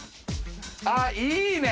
あっいいね！